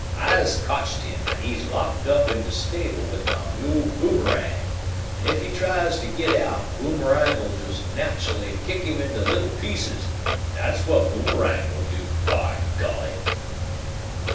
I's cotched him, an' he's locked up in de stable wif mah mule Boomerang. An' ef he tries t' git out Boomerang'll jest natchully kick him into little pieces dat's whut Boomerang will do, by golly!"